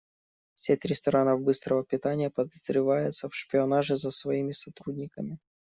Сеть ресторанов быстрого питания подозревается в шпионаже за своими сотрудниками.